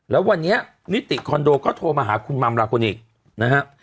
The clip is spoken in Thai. แล้ววันนี้นิติคอนโดก็โทรมาหาคุณมัมลาคลอีกนะฮะ